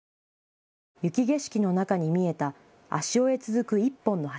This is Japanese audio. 雪景色の中に見えた足尾へ続く１本の橋。